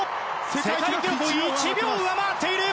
世界記録を１秒上回っている。